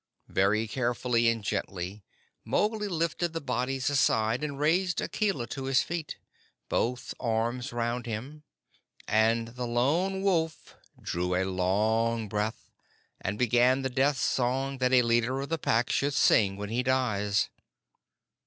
Very carefully and gently Mowgli lifted the bodies aside, and raised Akela to his feet, both arms round him, and the Lone Wolf drew a long breath, and began the Death Song that a leader of the Pack should sing when he dies.